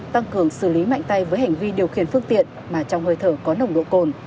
tăng cường xử lý mạnh tay với hành vi điều khiển phương tiện mà trong hơi thở có nồng độ cồn